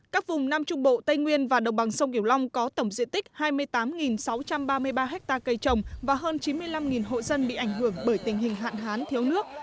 các vùng nam trung bộ tây nguyên và đồng bằng sông kiểu long có tổng diện tích hai mươi tám sáu trăm ba mươi ba ha cây trồng và hơn chín mươi năm hộ dân bị ảnh hưởng bởi tình hình hạn hán thiếu nước